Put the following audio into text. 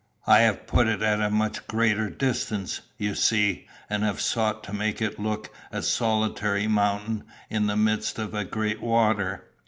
I have put it at a much greater distance, you see, and have sought to make it look a solitary mountain in the midst of a great water.